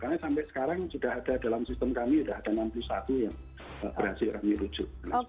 karena sampai sekarang sudah ada dalam sistem kami sudah ada enam puluh satu yang berhasil kami rujuk